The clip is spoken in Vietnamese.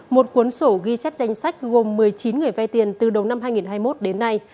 một cuốn sổ ghi chép danh sách gồm một mươi chín người vay tiền từ đầu năm hai nghìn hai mươi một đến nay